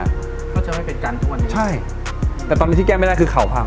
เขาจะไม่เป็นการถ้วนใช่แต่ตอนนี้ที่แก้ไม่ได้คือเขาพัง